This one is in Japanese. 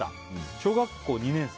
小学校２年生。